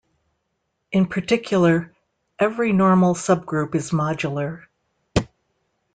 In particular, every normal subgroup is modular.